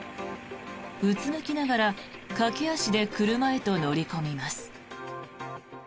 うつむきながら駆け足で車へと乗り込みます。